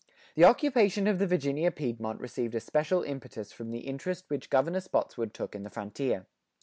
[89:3] The occupation of the Virginia Piedmont received a special impetus from the interest which Governor Spotswood took in the frontier.